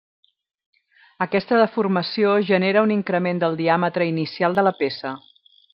Aquesta deformació genera un increment del diàmetre inicial de la peça.